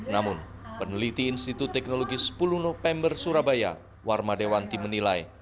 namun peneliti institut teknologi sepuluh november surabaya warma dewanti menilai